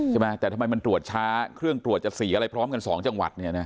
ใช่ไหมแต่ทำไมมันตรวจช้าเครื่องตรวจจะสีอะไรพร้อมกัน๒จังหวัด